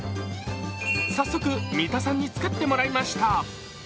早速、三田さんに作ってもらいました。